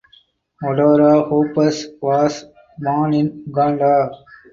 Odora Hoppers was born in Uganda.